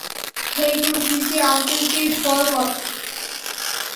হেই, তোর উকিলকে আঙ্কেলকে কল কর।